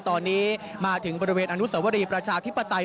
ตอนนี้มาถึงบริเวณอนุสวรีประชาธิปไตย